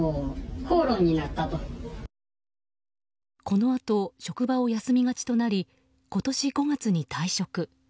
このあと職場を休みがちとなり今年５月に退職。